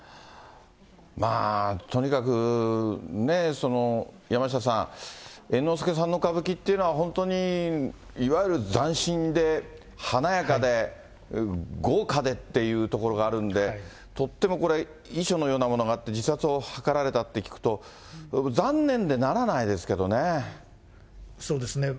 とにかく、山下さん、猿之助さんの歌舞伎っていうのは本当にいわゆる斬新で華やかで、豪華でっていうところがあるんで、とってもこれ、遺書のようなものがあって自殺を図られたって聞くと、そうですね。